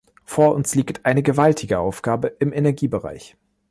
Vor uns liegt eine gewaltige Aufgabe im Energiebereich.